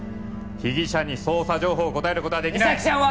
被疑者に捜査情報を答えることはできない実咲ちゃんは！？